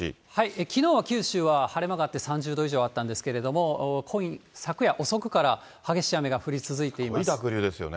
きのうは九州は晴れ間があって３０度以上あったんですけれども、昨夜遅くから激しい雨が降り続いています。